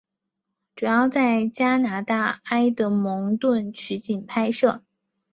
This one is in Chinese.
主要在加拿大埃德蒙顿取景拍摄。